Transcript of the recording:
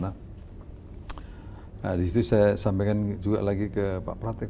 nah disitu saya sampaikan juga lagi ke pak pratik